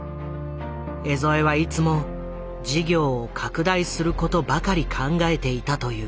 江副はいつも事業を拡大することばかり考えていたという。